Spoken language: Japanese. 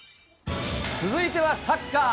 続いてはサッカー。